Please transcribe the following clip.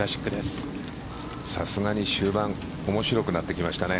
さすがに終盤面白くなってきましたね。